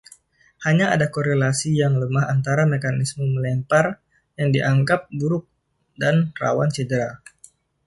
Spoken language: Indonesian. Hanya ada korelasi yang lemah antara mekanisme melempar yang dianggap buruk dan rawan cedera.